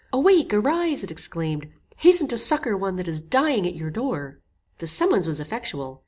"Awake! arise!" it exclaimed: "hasten to succour one that is dying at your door." This summons was effectual.